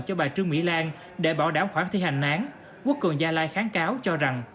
cho bà trương mỹ lan để bảo đảm khoản thi hành án quốc cường gia lai kháng cáo cho rằng